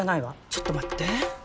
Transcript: ちょっと待って。